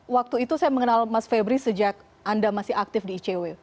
waktu itu saya mengenal mas febri sejak anda masih aktif di icw